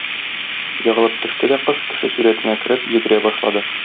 Егылып төште дә кош, кеше сурәтенә кереп, йөгерә башлады.